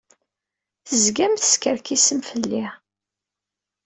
Tezgam teskerkisem fell-i.